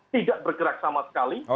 tidak bergerak sama sekali